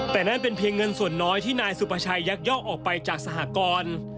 แต่นั่นเป็นเพียงเงินส่วนน้อยที่นายสุภาชัยยักยอกออกไปจากสหกร